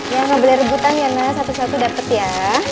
ya gak boleh rebutan ya satu satu dapet ya